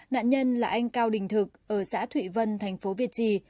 nạn nhân là anh cao đình thực ở xã thụy vân thành phố việt trì